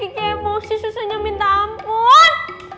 bikin qq emosi susahnya minta ampun